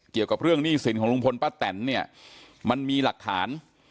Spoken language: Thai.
เกี่ยวกับเรื่องหนี้สินของลุงพลป้าแตนเนี่ยมันมีหลักฐาน